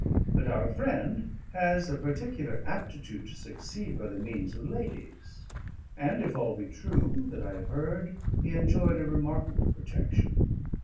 But our friend has a particular aptitude to succeed by the means of ladies; and if all be true that I have heard, he enjoyed a remarkable protection.